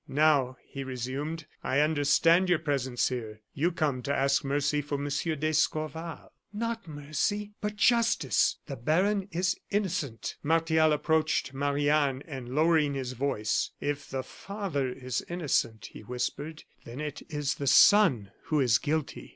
"Now," he resumed, "I understand your presence here. You come to ask mercy for Monsieur d'Escorval." "Not mercy, but justice. The baron is innocent." Martial approached Marie Anne, and lowering his voice: "If the father is innocent," he whispered, "then it is the son who is guilty."